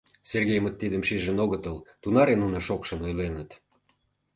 Сергеймыт тидым шижын огытыл, тунаре нуно шокшын ойленыт.